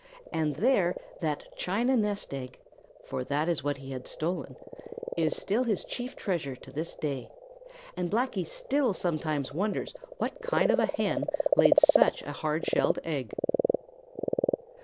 And there that china nest egg, for that is what he had stolen, is still his chief treasure to this day, and Blacky still sometimes wonders what kind of a hen laid such a hard shelled egg.